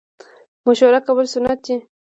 مشوره کول سنت دي